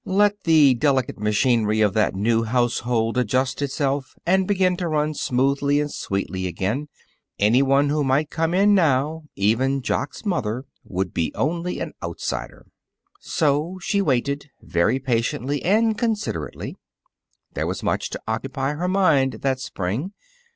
Let the delicate machinery of that new household adjust itself and begin to run smoothly and sweetly again. Anyone who might come in now even Jock's mother would be only an outsider." So she waited very patiently and considerately. There was much to occupy her mind that spring.